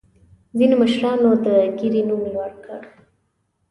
ځینې مشرانو د ګیرې نوم لوړ کړ.